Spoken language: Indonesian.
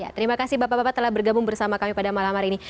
terima kasih bapak bapak telah bergabung bersama kami pada malam hari ini